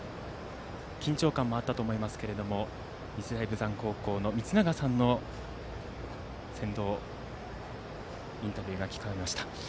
緊張感もあったと思いますけれども日大豊山高校の光永さんの先導インタビューが聞かれました。